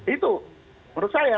itu menurut saya